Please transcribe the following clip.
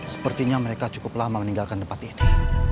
sepertinya mereka cukup lama meninggalkan tempat ini